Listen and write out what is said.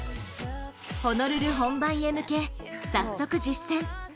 ホノルル本番へ向け、早速実戦。